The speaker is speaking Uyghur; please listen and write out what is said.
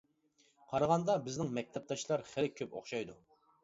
قارىغاندا بىزنىڭ مەكتەپداشلار خېلى كۆپ ئوخشايدۇ.